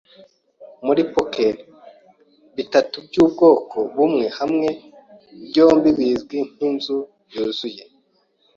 Muri poker, bitatu byubwoko bumwe hamwe byombi bizwi nkinzu yuzuye.